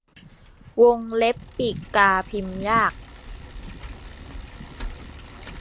วงเล็บปีกกาพิมพ์ยาก